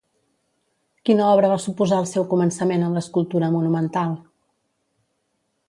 Quina obra va suposar el seu començament en l'escultura monumental?